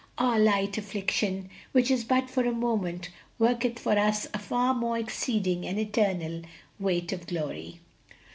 'Our light affliction, which is but for a moment, worketh for us a far more exceeding and eternal weight of glory.'"